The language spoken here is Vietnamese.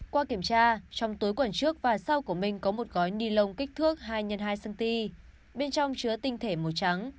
qua kiểm tra trong tối quản trước và sau của mình có một gói ni lông kích thước hai x hai cm bên trong chứa tinh thể màu trắng